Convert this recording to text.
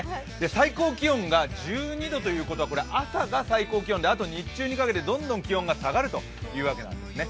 最高気温が１２度ということは、朝が最高気温であと日中にかけて、どんどん気温が下がるというわけなんですね。